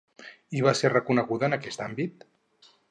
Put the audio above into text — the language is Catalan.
I va ser reconeguda en aquest àmbit?